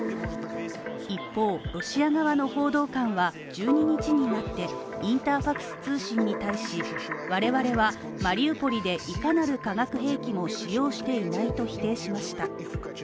一方、ロシア側の報道官は１２日になってインタファクス通信に対し、我々はマリウポリでいかなる化学兵器も使用していないと否定しました。